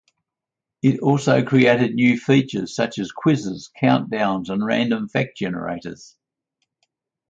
It also created new features, such as quizzes, countdowns, and random fact generators.